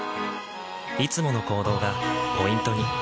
いつもの行動がポイントに。